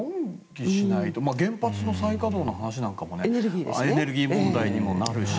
原発の再稼働の話などもエネルギー問題になるし。